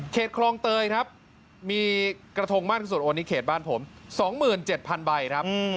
เขตครองเตยครับมีกระทงมั่นสุดโอนี่เขตบ้านผม๒๗๐๐๐ใบครับ